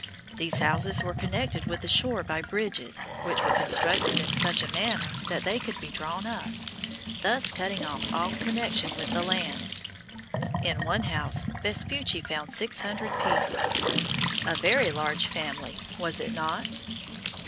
These houses were connected with the shore by bridges, which were constructed in such a manner that they could be drawn up, thus cutting off all connection with the land. In one house Vespucci found six hundred people. A very large family, was it not?